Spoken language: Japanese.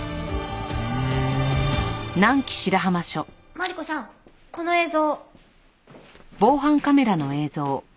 マリコさんこの映像。